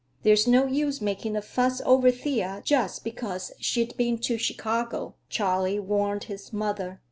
"There's no use making a fuss over Thea just because she's been to Chicago," Charley warned his mother.